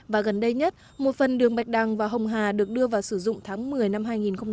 và gần đây nhất một phần đường bạch đăng và hồng hà được đưa vào sử dụng tháng một mươi năm hai nghìn một mươi